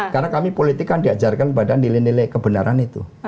karena kami politik kan diajarkan pada nilai nilai kebenaran itu